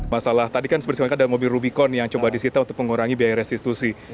masalah tadi kan seperti ada mobil rubicon yang coba disita untuk mengurangi biaya restitusi